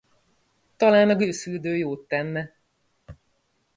Talán a gőzfürdő jót tenne.